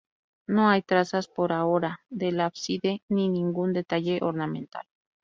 No hay trazas, por ahora, del ábside ni ningún detalle ornamental.